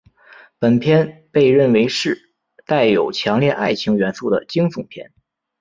本片被认为是带有强烈爱情元素的惊悚片。